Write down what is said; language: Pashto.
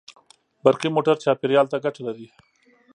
برقي موټر چاپېریال ته ګټه لري.